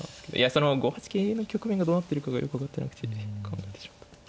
その５八桂の局面がどうなってるかがよく分かってなくて考えてしまった。